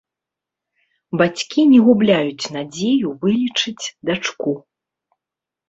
Бацькі не губляюць надзею вылечыць дачку.